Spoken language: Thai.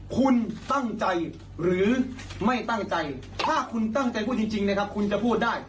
คุณตั้งใจหรือไม่ตั้งใจถ้าคุณตั้งใจพูดจริงนะครับคุณจะพูดได้